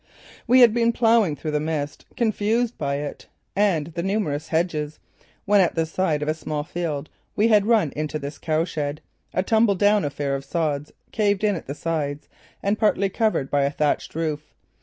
We had been ploughing through the mist, confused by it and the numerous hedges, when at the side of a small field we had run into this cowshed, a tumbledown affair of sods, caved in at the sides and partly covered by a thatched roof.